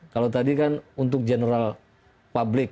kalau tadi kan untuk general public